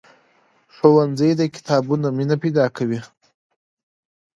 ښوونځی د کتابونو مینه پیدا کوي.